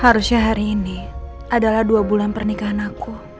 harusnya hari ini adalah dua bulan pernikahan aku